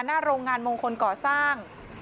หน้าโรงงานมงคลก่อสร้าง